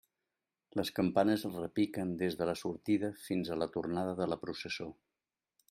Les campanes repiquen des de la sortida fins a la tornada de la processó.